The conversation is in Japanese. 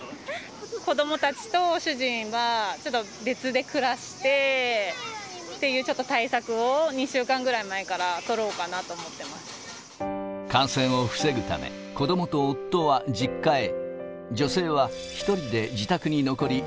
子どもたちと主人は、ちょっと別で暮らしてっていう対策を、２週間ぐらい前から取ろうかなと感染を防ぐため、子どもと夫は実家へ。